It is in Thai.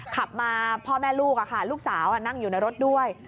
ขับมาพ่อแม่ลูกลูกสาวนั่งอยู่ในรถด้วย